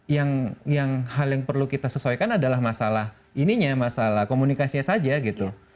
yang hal yang perlu kita sesuaikan adalah masalah ininya masalah komunikasinya saja gitu